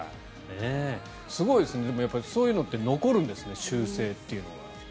すごいですよね、やっぱりそういうのは残るんですね習性というのは。